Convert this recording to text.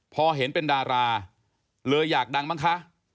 พอเห็นเป็นดาราเลยอยากดังบ้างคะ